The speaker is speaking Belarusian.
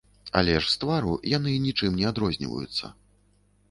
Але ж з твару яны нічым не адрозніваюцца.